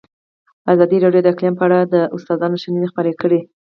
ازادي راډیو د اقلیم په اړه د استادانو شننې خپرې کړي.